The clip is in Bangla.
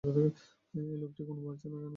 এই লোকটি কোন পরেছে কে জানে!